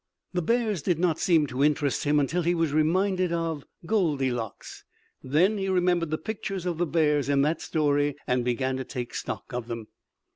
The bears did not seem to interest him until he was reminded of Goldylocks. Then he remembered the pictures of the bears in that story and began to take stock of them.